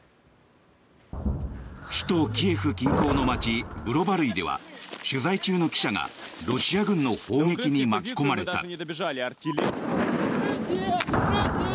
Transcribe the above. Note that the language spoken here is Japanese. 首都キエフ近郊の街ブロバルイでは取材中の記者がロシア軍の砲撃に巻き込まれた。